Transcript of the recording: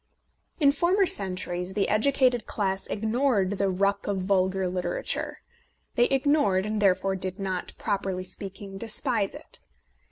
In former centuries the educated class ignored the ruck of vulgar literature. They ignored, and therefore did not, properly speaking, despise it.